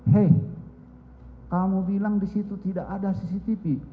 hei kamu bilang di situ tidak ada cctv